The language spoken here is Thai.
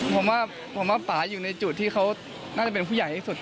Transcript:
ผมว่าผมว่าป่าอยู่ในจุดที่เขาน่าจะเป็นผู้ใหญ่ที่สุด